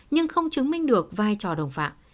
nhưng không chứng minh được vai trò đồng phạm